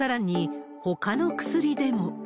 さらに、ほかの薬でも。